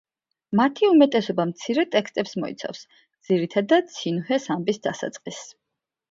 მათი უმეტესობა მცირე ტექსტებს მოიცავს, ძირითადად სინუჰეს ამბის დასაწყისს.